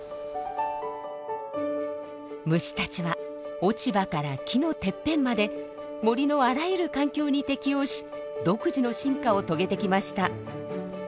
虫たちは落ち葉から木のてっぺんまで森のあらゆる環境に適応し独自の進化を遂げてきました。